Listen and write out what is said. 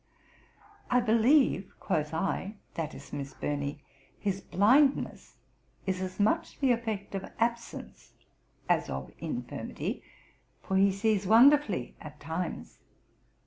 "I believe," quoth I [i.e. Miss Burney] "his blindness is as much the effect of absence as of infirmity, for he sees wonderfully at times."'